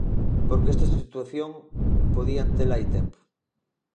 Porque esta solución podían tela hai tempo.